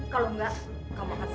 kalau enggak kamu akan saya pecah